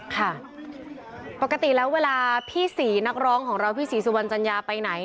ค่ะปกติแล้วเวลาพี่ศรีนักร้องของเราพี่ศรีสุวรรณจัญญาไปไหน